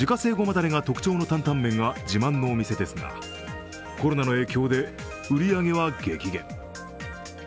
だれが特徴の担々麺が自慢のお店ですが、コロナの影響で売り上げは激減。